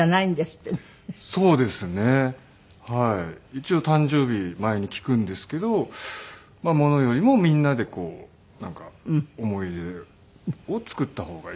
一応誕生日前に聞くんですけど物よりもみんなでこうなんか思い出を作った方がいいという。